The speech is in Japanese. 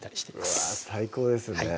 うわ最高ですね